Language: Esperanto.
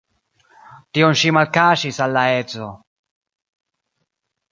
Tion ŝi malkaŝis al la edzo.